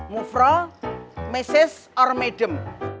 mufro mrs atau madam